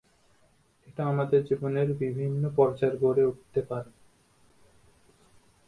এটা আমাদের জীবনের বিভিন্ন পর্যায়ে গড়ে উঠতে পারে।